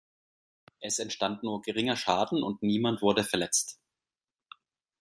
Es entstand nur geringer Schaden und niemand wurde verletzt.